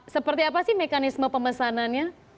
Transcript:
seperti apa sih mekanisme pemesanannya